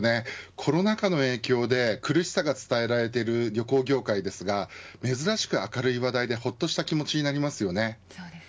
コロナ禍の影響で苦しさが伝えられている旅行業界ですが珍しく明るい話題で、ほっとした気持ちになりますよね。